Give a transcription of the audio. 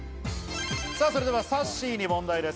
それでは、さっしーに問題です。